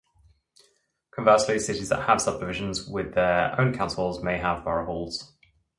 Conversely, cities that have subdivisions with their own councils may have borough halls.